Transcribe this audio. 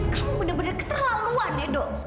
kamu bener bener keterlaluan ido